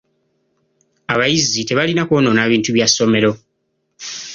Abayizi tebalina kwonoona bintu bya ssomero.